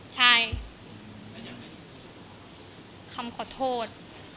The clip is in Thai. ใช่คำขอโทษ